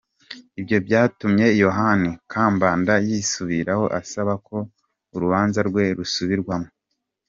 Ibyo byatumye Yohani Kambanda yisubiraho asaba ko urubanza rwe rusubirwamo.